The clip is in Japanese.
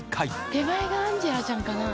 手前がアンジェラちゃんかな？